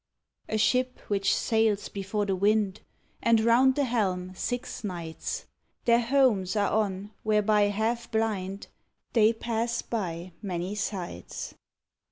A ship which sails before the wind, And round the helm six knights, Their heaumes are on, whereby, half blind, They pass by many sights.